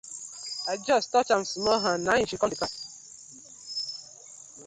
I just touch am small hand na im she com dey cry.